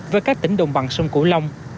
với các tỉnh đồng bằng sông cổ long